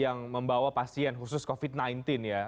yang membawa pasien khusus covid sembilan belas ya